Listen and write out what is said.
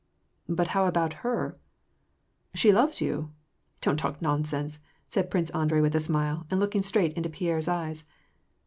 "" But how about her ?"" She loves you 1 "'^ Don't talk nonsense," said Prince Andrei, with a smile, and looking straight into Pierre's eyes.